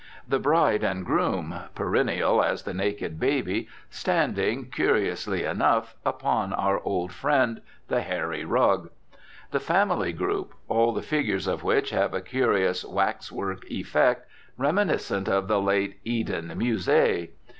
The bride and groom (perennial as the naked baby) standing, curiously enough, upon our old friend, the hairy rug. The family group (all the figures of which have a curious wax work effect, reminiscent of the late Eden Musee).